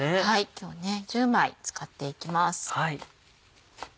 今日１０枚使っていきます。